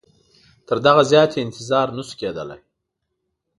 تر دغه زیات یې انتظار نه سو کېدلای.